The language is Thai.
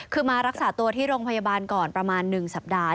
คือมารักษาตัวที่โรงพยาบาลก่อนประมาณ๑สัปดาห์